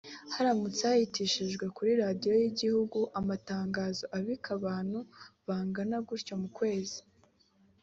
haramutse hahitishijwe kuri Radio y’ igihugu amatangazo abika abantu bangana batyo mu kwezi